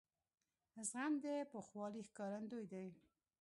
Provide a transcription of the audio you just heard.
زغم د پوخوالي ښکارندوی دی.